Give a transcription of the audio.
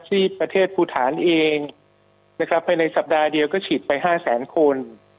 ที่ประเทศภูฐานเองนะครับภายในสัปดาห์เดียวก็ฉีดไป๕แสนคน